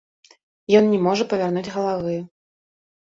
Ён не можа павярнуць галавы.